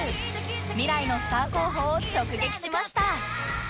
未来のスター候補を直撃しました